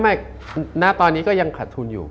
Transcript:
ไม่หน้าตอนนี้ก็ยังขาดทุนอยู่